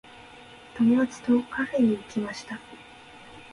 友達とカフェに行きました。